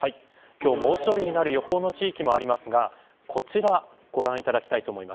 今日、猛暑日になる予報の地域もありますがこちら、ご覧ください。